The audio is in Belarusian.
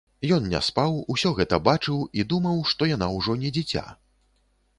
Ён не спаў, усё гэта бачыў і думаў, што яна ўжо не дзіця.